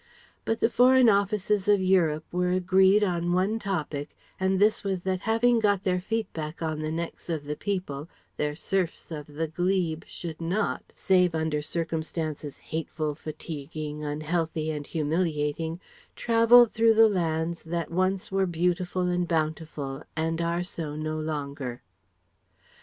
But the Foreign Offices of Europe were agreed on one topic, and this was that having got their feet back on the necks of the people, their serfs of the glebe should not, save under circumstances hateful, fatiguing, unhealthy and humiliating, travel through the lands that once were beautiful and bountiful and are so no longer.